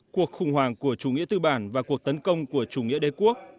cuộc khủng hoảng của chủ nghĩa tư bản và cuộc tấn công của chủ nghĩa đế quốc